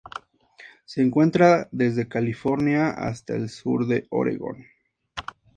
Se encuentra desde California hasta el sur de Oregón.